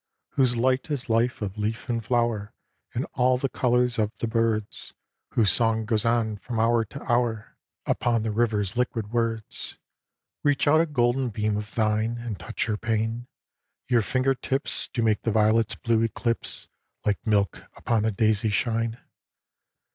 Whose light is life of leaf and flower. And all the colours of the birds. Whose song goes on from hour to hour 140 A DREAM OF ARTEMIS Upon the river's liquid words. Reach out a golden beam of thine And touch, her pain. Your finger tips Do make the violets' blue eclipse Like milk upon a daisy shine.